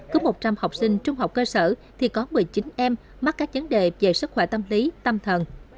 cứ một trăm linh học sinh trung học cơ sở thì có một mươi chín em mắc các vấn đề về sức khỏe tâm lý tâm thần